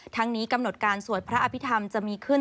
ทั้งนี้กำหนดการสวดพระอภิษฐรรมจะมีขึ้น